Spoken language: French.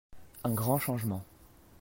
Un grand changement.